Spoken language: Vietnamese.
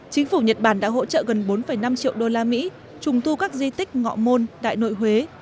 chính phủ nhật bản đã hỗ trợ gần bốn năm triệu đô la mỹ trùng tu các di tích ngọ môn đại nội huế